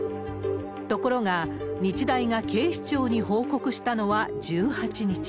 ところが、日大が警視庁に報告したのは１８日。